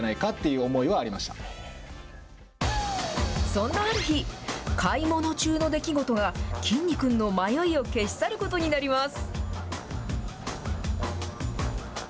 そんなある日、買い物中の出来事が、きんに君の迷いを消し去ることになります。